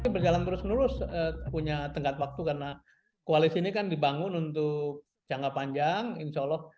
berjalan terus menerus punya tengkat waktu karena koalisi ini kan dibangun untuk jangka panjang insya allah